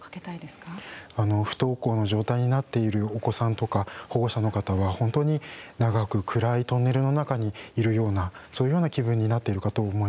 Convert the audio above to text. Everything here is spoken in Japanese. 不登校の状態になっているお子さんとか保護者の方は本当に長く暗いトンネルの中にいるようなそういうような気分になっているかと思います。